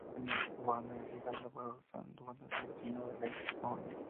Danielle Bowden es hija del abogado Sam Bowden y de la diseñadora Leigh Bowden.